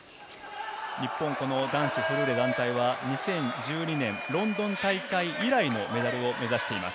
日本男子フルーレ団体は２０１２年ロンドン大会以来のメダルを目指しています。